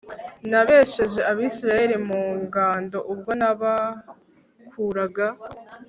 nabesheje Abisirayeli mu ngando ubwo nabakuraga